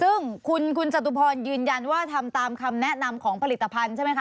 ซึ่งคุณจตุพรยืนยันว่าทำตามคำแนะนำของผลิตภัณฑ์ใช่ไหมคะ